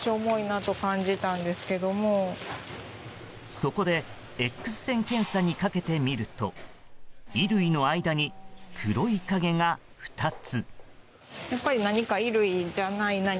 そこでＸ線検査にかけてみると衣類の間に黒い影が２つ。